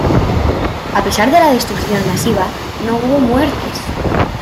A pesar de la destrucción masiva, no hubo muertes.